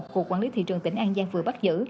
cục quản lý thị trường tỉnh an giang vừa bắt giữ